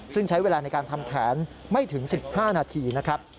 ซึ่งใช้เวลาในการทำแผนไม่ถึง๑๕นาทีนะครับ